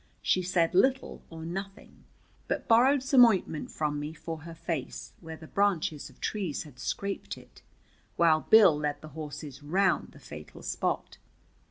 She said little or nothing, but borrowed some ointment from me for her face, where the branches of trees had scraped it, while Bill led the horses round the fatal spot.